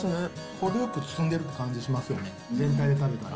程よく包んでる感じがしますよね、全体食べたら。